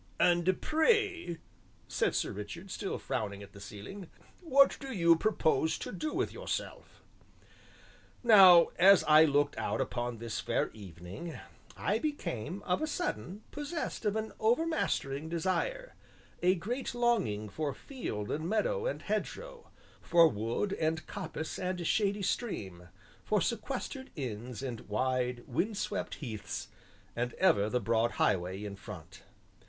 "And pray," said Sir Richard, still frowning at the ceiling, "what do you propose to do with yourself?" Now, as I looked out upon this fair evening, I became, of a sudden, possessed of an overmastering desire, a great longing for field and meadow and hedgerow, for wood and coppice and shady stream, for sequestered inns and wide, wind swept heaths, and ever the broad highway in front.